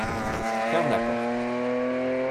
Ferme la porte.